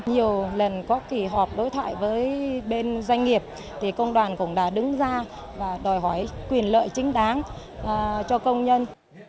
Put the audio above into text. nhiều lần có kỳ họp đối thoại với bên doanh nghiệp thì công đoàn cũng đã đứng ra và đòi hỏi quyền lợi chính đáng cho công nhân